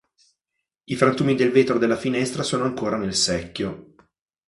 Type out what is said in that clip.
I frantumi del vetro della finestra sono ancora nel secchio.